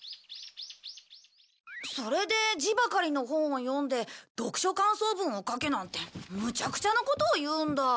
それで字ばかりの本を読んで読書感想文を書けなんてむちゃくちゃなことを言うんだ。